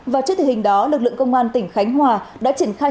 và trước tình hình đó lực lượng công an tỉnh khánh hòa đã triển khai